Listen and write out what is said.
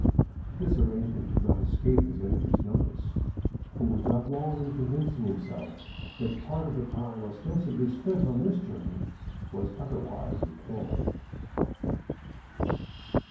This arrangement did not escape his enemy's notice, who was not long in convincing himself that part of the time ostensibly spent on this journey was otherwise employed.